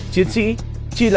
chiến sĩ chi lâm